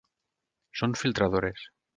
Són filtradores.